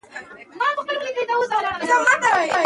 په افغانستان کې ګاز د خلکو د ژوند په کیفیت تاثیر کوي.